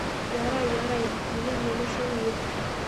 - Ярай, ярай, минең йомошом юҡ.